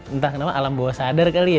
entah kenapa alam bawah sadar kali ya